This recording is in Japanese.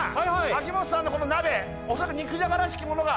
秋元さんの鍋おそらく肉じゃがらしきものが。